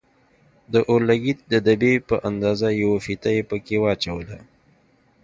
د اورلګيت د دبي په اندازه يوه فيته يې پکښې واچوله.